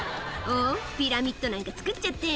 おっ、ピラミッドなんて作っちゃって。